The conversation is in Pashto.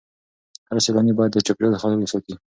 هر سیلانی باید د چاپیریال خیال وساتي.